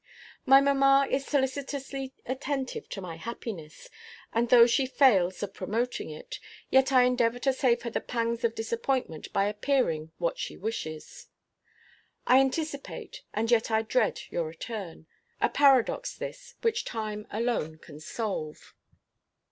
My mamma is solicitously attentive to my happiness; and though she fails of promoting it, yet I endeavor to save her the pangs of disappointment by appearing what she wishes. I anticipate, and yet I dread, your return; a paradox this, which time alone can solve.